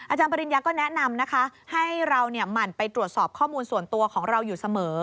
ปริญญาก็แนะนำนะคะให้เราหมั่นไปตรวจสอบข้อมูลส่วนตัวของเราอยู่เสมอ